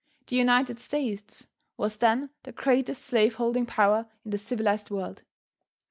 The United States was then the greatest slave holding power in the civilized world.